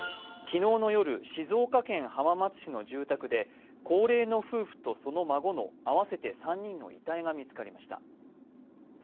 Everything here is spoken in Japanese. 昨日の夜、静岡県浜松市の住宅で、高齢の夫婦とその孫の合わせて３人の遺体が見つかりました。